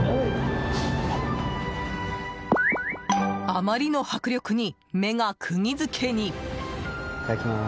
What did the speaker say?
あまりの迫力に目が釘付けに！